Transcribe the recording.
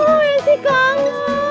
oh ya si kang